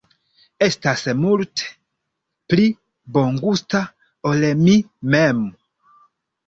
Estas multe pli bongusta ol mi mem